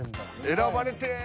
選ばれてぇ。